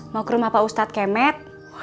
mau ke rumah pak ustadz kemet